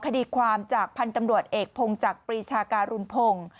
คดีความจากพันธ์ตำรวจเอกพงจักรปรีชาการุณพงศ์